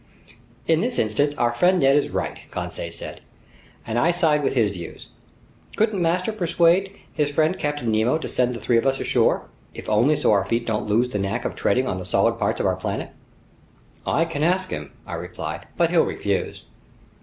"In this instance our friend Ned is right," Conseil said, "and I side with his views. Couldn't master persuade his friend Captain Nemo to send the three of us ashore, if only so our feet don't lose the knack of treading on the solid parts of our planet?" "I can ask him," I replied, "but he'll refuse."